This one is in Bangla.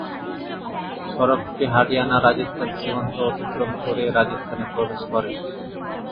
সড়কটি হরিয়ানা-রাজস্থান সীমান্ত অতিক্রম করে রাজস্থানে প্রবেশ করে।